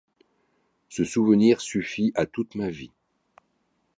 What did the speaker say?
Ce souvenir suffit à toute ma vie.